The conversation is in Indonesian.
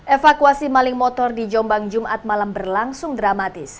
evakuasi maling motor di jombang jumat malam berlangsung dramatis